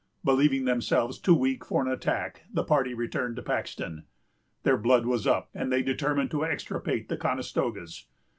Believing themselves too weak for an attack, the party returned to Paxton. Their blood was up, and they determined to extirpate the Conestogas.